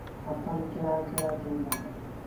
ڦسل ڪهڙآ ڪهڙآ ٿئيٚݩ دآ۔